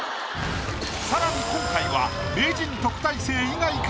さらに今回は。